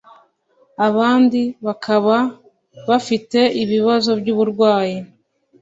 abandi bakaba bafite ibibazo by’uburwayi